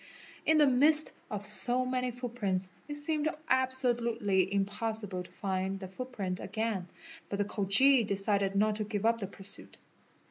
In the midst of so many footprints it seemed abso lutely impossible to find the footprint again but the Khoji decided not to i yeup the pursuit.